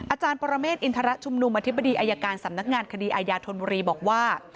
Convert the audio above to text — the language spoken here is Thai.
อาจารย์ปรเมฆอินทรชุมนุมอธิบดีอายการสำนักงานคดีอาญาธนบุรีบอกว่า